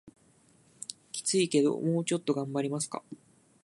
キツいけどもうちょっと頑張りますか